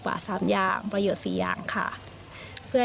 ตามแนวทางศาสตร์พระราชาของในหลวงราชการที่๙